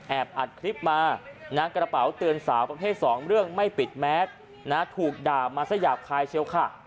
อัดคลิปมากระเป๋าเตือนสาวประเภท๒เรื่องไม่ปิดแมสถูกด่ามาสยาบคายเชียวค่ะ